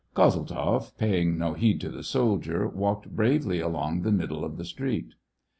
Kozeltzoff, paying no heed to the soldier, walked bravely along the middle of the street.